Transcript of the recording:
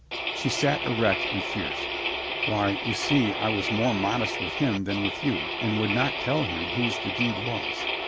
She sat erect and fierce. "Why, you see I was more modest with him than with you and would not tell him whose the deed was."